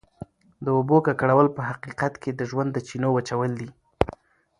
د اوبو ککړول په حقیقت کې د ژوند د چینو وچول دي.